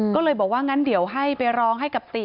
ก็เลยบอกว่างั้นเดี๋ยวให้ไปร้องให้กับติ